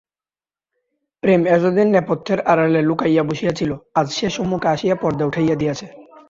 প্রেম এতদিন নেপথ্যের আড়ালে লুকাইয়া বসিয়া ছিল–আজ যে সন্মুখে আসিয়া পর্দা উঠাইয়া দিয়াছে।